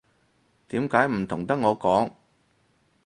點解唔同得我講